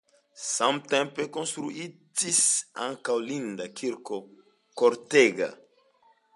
Samtempe konstruitis ankaŭ linda kirko kortega.